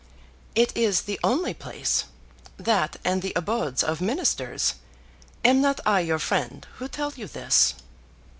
It is the only place; that and the abodes of Ministers. Am not I your friend who tell you this?"